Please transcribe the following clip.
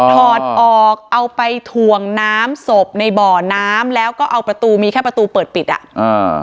ถอดออกเอาไปถ่วงน้ำศพในบ่อน้ำแล้วก็เอาประตูมีแค่ประตูเปิดปิดอ่ะอ่า